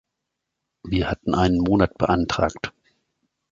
Wir hatten einen Monat beantragt.